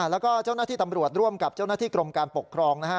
แล้วก็เจ้าหน้าที่ตำรวจร่วมกับเจ้าหน้าที่กรมการปกครองนะฮะ